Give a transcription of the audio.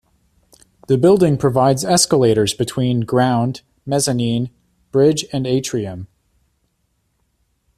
The building provides escalators between Ground, Mezzanine, Bridge, and Atrium.